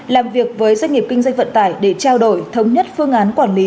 làm việc với doanh nghiệp kinh doanh vận tải để trao đổi thống nhất phương án quản lý